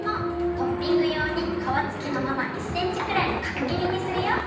トッピングようにかわつきのまま１センチくらいのかくぎりにするよ。